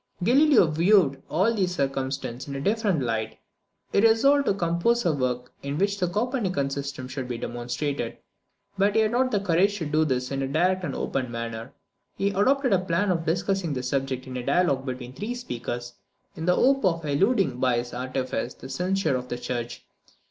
Galileo viewed all these circumstances in a different light. He resolved to compose a work in which the Copernican system should be demonstrated; but he had not the courage to do this in a direct and open manner. He adopted the plan of discussing the subject in a dialogue between three speakers, in the hope of eluding by this artifice the censure of the church.